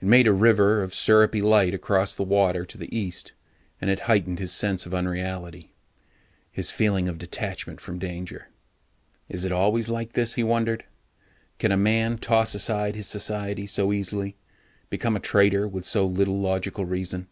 It made a river of syrupy light across the water to the east, and it heightened his sense of unreality, his feeling of detachment from danger. Is it always like this, he wondered? Can a man toss aside his society so easily, become a traitor with so little logical reason?